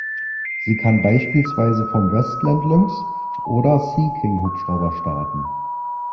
Sie kann beispielsweise vom Westland-Lynx- oder Sea-King-Hubschrauber starten.